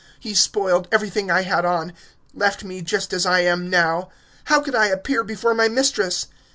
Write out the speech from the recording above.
He spoiled everything I had on left me just as I am now! How could I appear before my mistress?